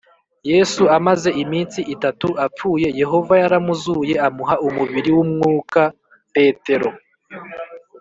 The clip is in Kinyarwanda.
Yesu amaze iminsi itatu apfuye yehova yaramuzuye amuha umubiri w umwuka petero